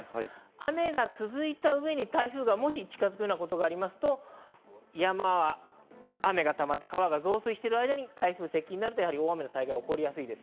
雨が続いた上に台風がもし近づくようなことがありますと山は雨がたまって川が増水してる間に台風が接近になって、災害が起こりやすいです。